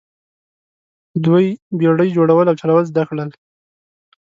دوی بیړۍ جوړول او چلول زده کړل.